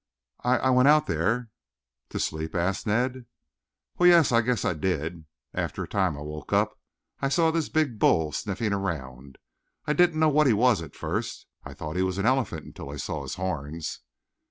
"I I went out there." "To sleep?" asked Ned. "Well, yes. I guess I did. After a time I woke up. I saw this big bull sniffing around. I didn't know what he was at first. I thought he was an elephant until I saw his horns."